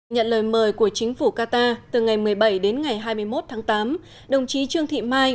nhận lời mời của chính phủ qatar từ ngày một mươi bảy đến ngày hai mươi một tháng tám đồng chí trương thị mai